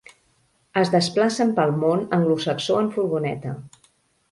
Es desplacen pel món anglosaxó en furgoneta.